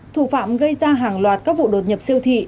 thủ phạm gây ra hàng loạt các vụ đột nhập siêu thị